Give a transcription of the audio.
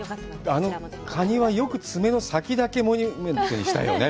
あのカニはよく爪の先だけモニュメントにしたよね。